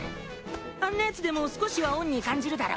あんなヤツでも少しは恩に感じるだろ。